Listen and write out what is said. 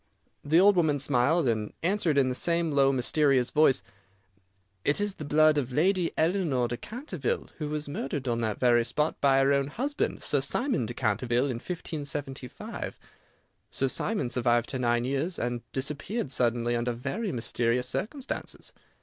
The old woman smiled, and answered in the same low, mysterious voice, "It is the blood of Lady Eleanore de Canterville, who was murdered on that very spot by her own husband, Sir Simon de Canterville, in 1575. Sir Simon survived her nine years, and disappeared suddenly under very mysterious circumstances.